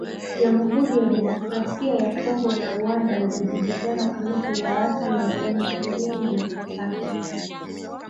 Jamuhuri ya Demokrasia ya Kongo na Rwanda zajibizana kuhusu waasi wa M ishirini na tatu